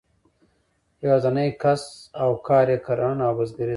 یوازینی کسب او کار یې کرهڼه او بزګري ده.